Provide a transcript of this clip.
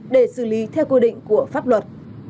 để xử lý theo quy định của pháp luật